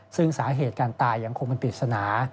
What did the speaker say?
ซึ่งสาเหตุการตายยังคงเป็นปริศนา